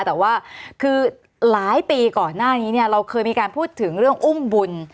แต่ว่าคือหลายปีก่อนหน้านี้เนี่ยเราเคยมีการพูดถึงเรื่องอุ้มบุญ